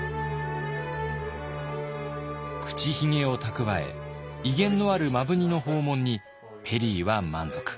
口ひげを蓄え威厳のある摩文仁の訪問にペリーは満足。